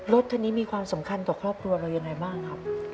รถคันนี้มีความสำคัญต่อครอบครัวเรายังไงบ้างครับ